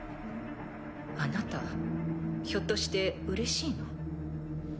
あなたひょっとしてうれしいの？